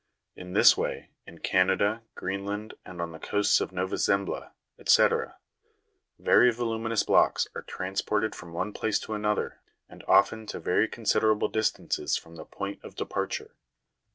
In this way, in Canada, Greenland, and on the coasts of Nova Zembla, &c., very voluminous blocks are transported from one place to another, and often to very conside rabFe distances from the point of departure.